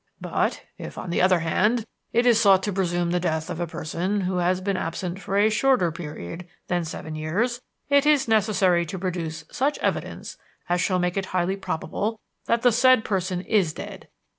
But if, on the other hand, it is sought to presume the death of a person who has been absent for a shorter period than seven years, it is necessary to produce such evidence as shall make it highly probable that the said person is dead.